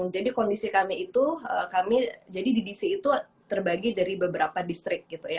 jadi kondisi kami itu kami jadi di dc itu terbagi dari beberapa distrik gitu ya